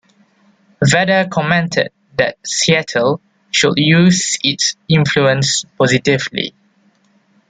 Vedder commented that Seattle should use its influence positively.